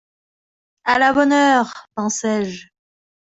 À la bonne heure ! pensai-je.